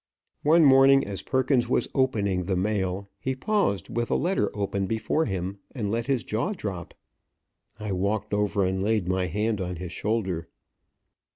One morning as Perkins was opening the mail, he paused with a letter open before him, and let his jaw drop. I walked over and laid my hand on his shoulder.